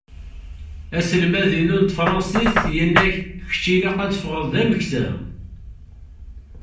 Aselmad-iw n tefransist yenna-k: Kečč ilaq ad d-teffɣeḍ d ameksa.